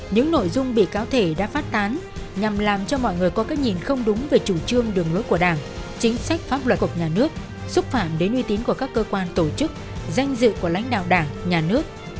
những nội dung bị cáo thể đã phát tán nhằm làm cho mọi người có cái nhìn không đúng về chủ trương đường lối của đảng chính sách pháp luật của nhà nước xúc phạm đến uy tín của các cơ quan tổ chức danh dự của lãnh đạo đảng nhà nước